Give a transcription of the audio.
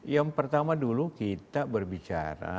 yang pertama dulu kita berbicara